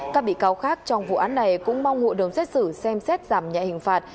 các bệ cáo khác trong vụ án này cũng mong hộ đồng xét xử xem xét giảm nhạy hình phạt